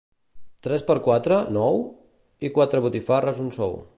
Tres per quatre, nou? I quatre botifarres, un sou.